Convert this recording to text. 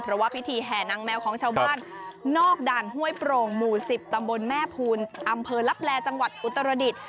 เพราะว่าพิธีแห่นางแมวของชาวบ้านนอกด่านห้วยโปร่งหมู่๑๐ตำบลแม่ภูลอำเภอลับแลจังหวัดอุตรดิษฐ์